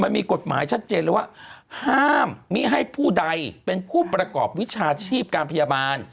มันมีกฎหมายชัดเจนเลยว่าห้ามมิให้ผู้ใดเป็นผู้ประกอบวิชาชีพการพยาบาล